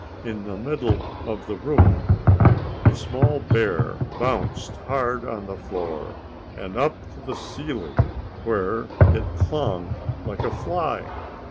In the middle of the room a small bear bounced hard on the floor and up to the ceiling where it clung like a fly.